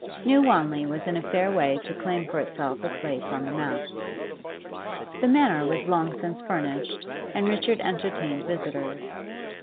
New Wanley was in a fair way to claim for itself a place on the map. The Manor was long since furnished, and Richard entertained visitors.